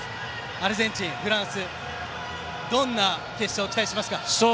アルゼンチン、フランスどんな決勝を期待しますか。